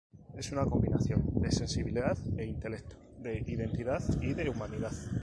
Es una combinación de sensibilidad e intelecto, de identidad y de humanidad.